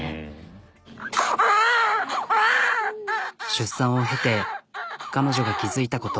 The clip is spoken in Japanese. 出産を経て彼女が気付いたこと。